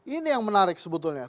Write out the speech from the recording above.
ini yang menarik sebetulnya